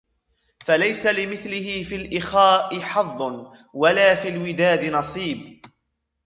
فَلَيْسَ لِمِثْلِهِ فِي الْإِخَاءِ حَظٌّ وَلَا فِي الْوِدَادِ نَصِيبٌ